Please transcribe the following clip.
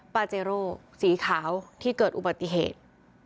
ปาเจโร่สีขาวที่เกิดอุบัติเหตุ